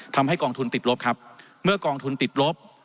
ทำให้กองทุนติดลบครับเมื่อกองทุนติดลบ